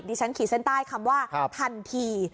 ฉันขีดเส้นใต้คำว่าทันที